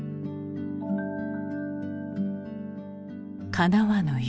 かなわぬ夢